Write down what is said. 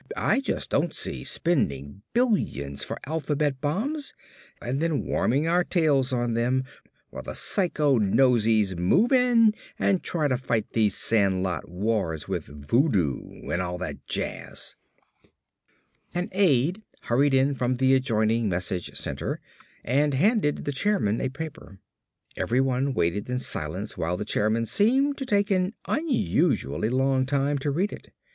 "I just don't see spending billions for alphabet bombs and then warming our tails on them while these psycho noseys move in and try to fight these sand lot wars with voodoo and all that jazz." An aide hurried in from the adjoining message center and handed the chairman a paper. Everybody waited in silence while the chairman seemed to take an unusually long time to read it.